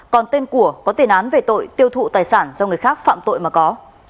còn tên của có tiền án về tội tiêu thụ tài sản do người khác phạm tội mà có